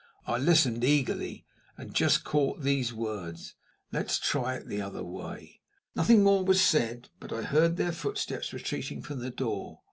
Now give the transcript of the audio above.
I listened eagerly, and just caught these words: "Let's try it the other way." Nothing more was said, but I heard their footsteps retreating from the door.